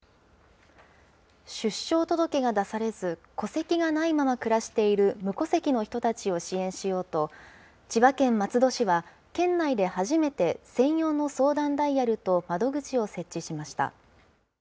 出生届が出されず、戸籍がないまま暮らしている無戸籍の人たちを支援しようと、千葉県松戸市は、県内で初めて、専用の相談ダイヤルと窓口を設置しました。